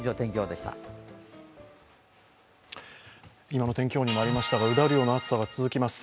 今の天気予報にもありましたが、うだるような暑さが続きます。